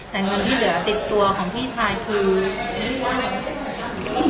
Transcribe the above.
แต่เงินที่เหลือติดตัวของพี่ชายคือ